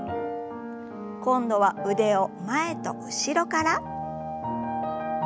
今度は腕を前と後ろから。